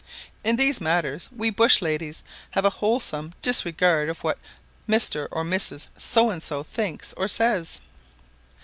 In these matters we bush ladies have a wholesome disregard of what Mr. or Mrs. So and so thinks or says.